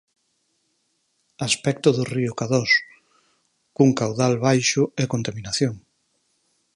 Aspecto do río Cadós, cun caudal baixo e contaminación.